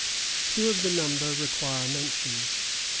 Two of the number require mention.